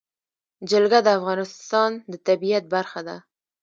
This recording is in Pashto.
جلګه د افغانستان د طبیعت برخه ده.